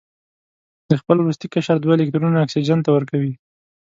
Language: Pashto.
د خپل وروستي قشر دوه الکترونونه اکسیجن ته ورکوي.